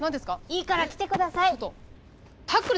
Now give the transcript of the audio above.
いいから来てください。